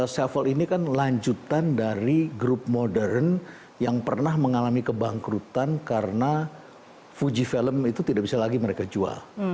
severall ini kan lanjutan dari grup modern yang pernah mengalami kebangkrutan karena fuji film itu tidak bisa lagi mereka jual